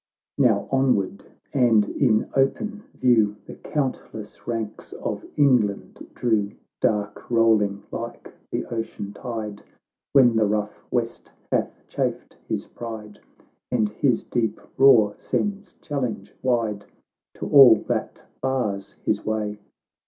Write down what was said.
XXI Now onward, and in open view, The countless ranks of England drew, Dark rolling like the ocean tide, "When the rough west hath chafed his pride And his deep roar sends challenge wide To all that bars his way